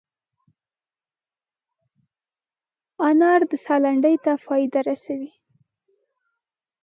انار د ساه لنډۍ ته فایده رسوي.